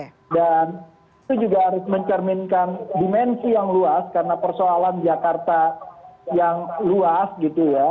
itu juga harus mencerminkan dimensi yang luas karena persoalan jakarta yang luas gitu ya